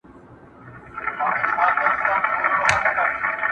نیمه تنه یې سوځېدلې ده لا شنه پاته ده!!